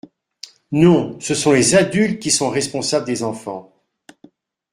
Non, ce sont les adultes qui sont responsables des enfants.